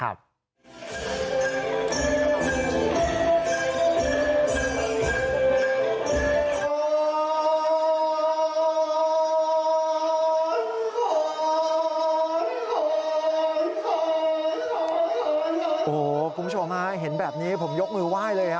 โอ้โฮคุณผู้ชมมายเห็นแบบนี้ผมยกมือไหว้เลยค่ะ